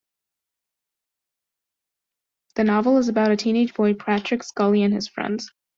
The novel is about a teenage boy, Patrick Scully, and his friends.